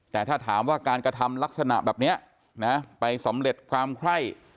แต่ถ้าถามว่าการกระทำลักษณะแบบนี้นะไปสำเร็จความไคร่